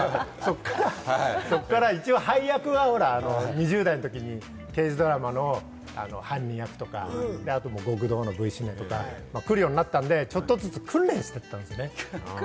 そっから配役は２０代の時に刑事ドラマの犯人役とか、あと極道のＶシネとか来るようになったんで、ちょっとずつ訓練していったんですよね。